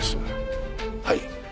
はい。